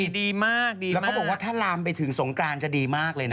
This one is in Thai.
ดีมากดีแล้วเขาบอกว่าถ้าลามไปถึงสงกรานจะดีมากเลยนะ